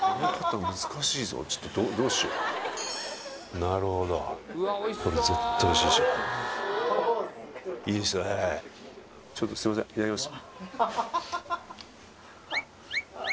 ちょっとどうしようなるほどこれ絶対おいしいでしょいいですねちょっとすいませんいただきます